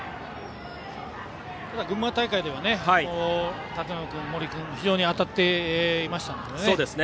群馬大会では舘野君、森君非常に当たっていましたので。